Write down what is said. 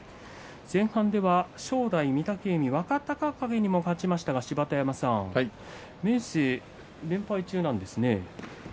前半では正代、御嶽海若隆景にも勝ちましたが芝田山さん明生が連敗中なんですね。